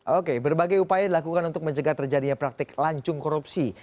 oke berbagai upaya dilakukan untuk mencegah terjadinya praktik lancung korupsi